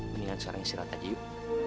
mendingan sekarang istirahat aja yuk